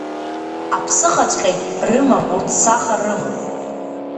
Аԥсыхаҵәҟьагь рымам урҭ саха рымам.